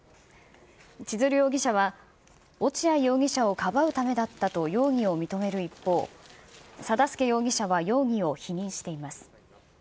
千鶴容疑者は、落合容疑者をかばうためだったと容疑を認める一方、定助容疑者は容疑を否認しています。